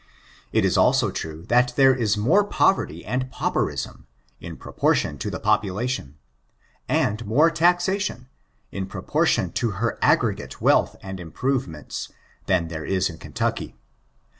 It is also true, that there is more poyeitf and pauperism, in proportion to the population; and more taxation, in proportion to her aggregate wealth and improvements, than there is in Kentucky.